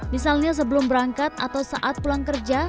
misalnya sebelum berangkat atau saat pulang kerja